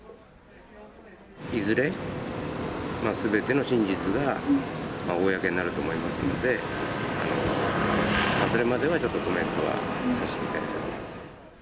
いずれ、すべての真実が公になると思いますので、それまではちょっとコメントは差し控えさせてください。